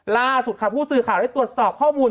ล่าสุดค่ะผู้สื่อข่าวได้ตรวจสอบข้อมูล